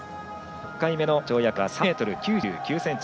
６回目の跳躍は３ｍ９９ｃｍ。